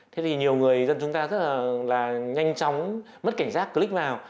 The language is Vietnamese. thế thì nhiều người dân chúng ta rất là nhanh chóng mất cảnh giác click vào